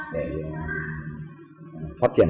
để phát triển